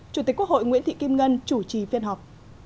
chủ tịch quốc hội nguyễn thị kim ngân chủ trì phiên họp